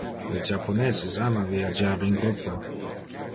Le japoneses ama viagiar in gruppo.